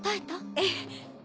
ええ。